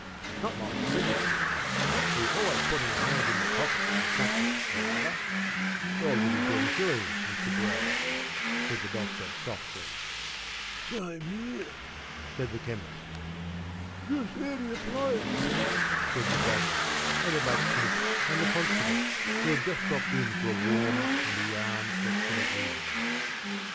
It's not like cricket, you know, where your always putting your hands in your pockets for something or other.’ ‘I'll give ten shillings, Mr Brown,’ said the Doctor softly. ‘Same here,’ said the Chemist. ‘How do you play it?’ asked the Saddler, and the Blacksmith, and the Constable, who had just dropped in for a warm and a yarn that chilly evening.